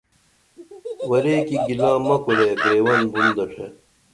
ورے کی گِلا مہ کُرے گریون بُن دڇھے